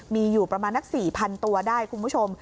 มีอยู่ประมาณนัก๔๐๐๐ตัวได้คุณผู้ชม